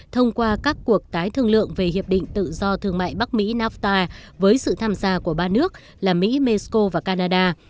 thông qua các cuộc tái thương lượng về hiệp định tự do thương mại bắc mỹ nafta với sự tham gia của ba nước là mỹ mexico và canada